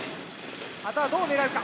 あとはどう狙うか？